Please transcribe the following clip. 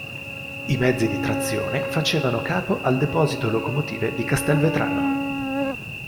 I mezzi di trazione facevano capo al deposito locomotive di Castelvetrano.